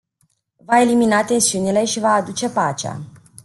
Va elimina tensiunile și va aduce pacea.